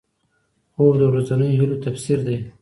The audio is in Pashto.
خوب د ورځنیو هیلو تفسیر دی